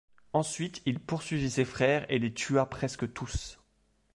Ensuite il poursuivit ses frères et les tua presque tous.